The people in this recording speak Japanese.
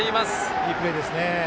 いいプレーですね。